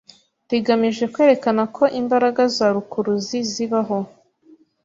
rigamije kwerekana ko imbaraga za rukuruzi zibaho